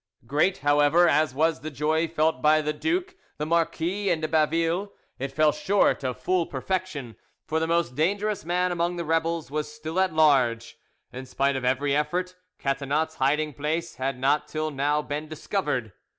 Great, however, as was the joy felt by the duke, the marquis, and de Baville, it fell short of full perfection, for the most dangerous man among the rebels was still at large; in spite of every effort, Catinat's hiding place had not till now been discovered.